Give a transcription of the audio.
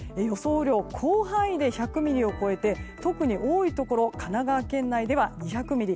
雨量は広範囲で１００ミリを超えて特に多いところ神奈川県内では２００ミリ。